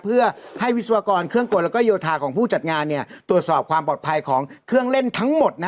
เพื่อให้วิศวกรเครื่องกลและโยธาของผู้จัดงานตรวจสอบความปลอดภัยของเครื่องเล่นทั้งหมด